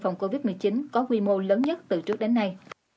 phòng covid một mươi chín có quy mô lớn nhất từ trước đến nay